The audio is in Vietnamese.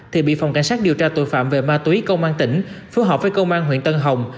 thì bị phòng cảnh sát điều tra tội phạm về ma túy công an tỉnh phối hợp với công an huyện tân hồng